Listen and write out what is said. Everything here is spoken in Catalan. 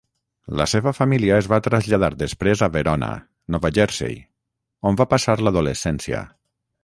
La seva família es va traslladar després a Verona, Nova Jersey, on va passar l'adolescència.